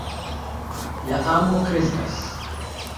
La amo kreskas.